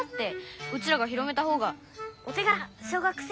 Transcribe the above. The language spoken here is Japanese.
うちらが広めたほうが「おてがら小学生！」